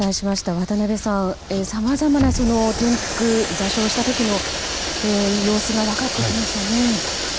渡辺さん、さまざまな転覆・座礁した時の様子が分かって来ましたね。